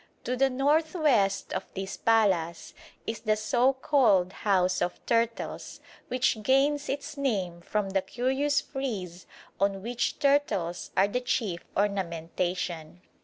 To the north west of this palace is the so called House of Turtles, which gains its name from the curious frieze on which turtles are the chief ornamentation.